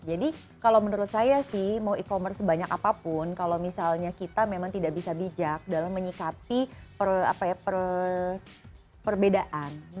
jadi kalau menurut saya sih mau e commerce sebanyak apapun kalau misalnya kita memang tidak bisa bijak dalam menyikapi perbedaan